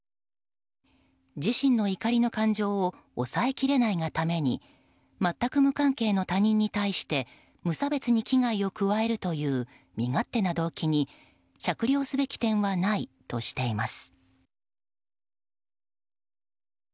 自身の怒りの感情を抑えきれないがために全く無関係の他人に対して無差別に危害を加えるという身勝手な動機に酌量すべき点はないとしています。